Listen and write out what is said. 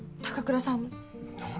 高倉さんに。